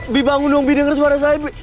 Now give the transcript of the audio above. bi bangun dong bi denger suara saya bi